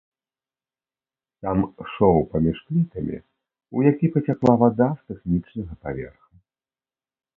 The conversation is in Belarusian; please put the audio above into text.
Там шоў паміж плітамі, у які пацякла вада з тэхнічнага паверха.